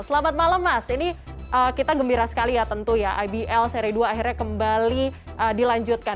selamat malam mas ini kita gembira sekali ya tentu ya ibl seri dua akhirnya kembali dilanjutkan